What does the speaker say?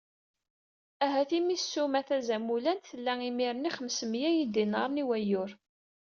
Ahat imi ssuma tazamulant tella imir-nni xemsemya n yidinaren i wayyur.